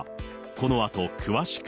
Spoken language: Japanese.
このあと詳しく。